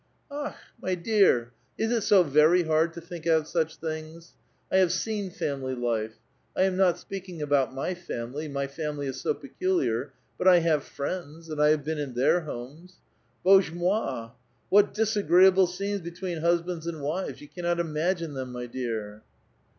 ^*Akh! my dear, is it so ver3' hard to think out such things? I have seen family life, — I am not speaking about my family ; my family is so peculiar, — but I have friends, and I have been in their homes. Bozhe mOi ! what disagreeable scenes between husbands and wives ; you cannot imagine them, my dear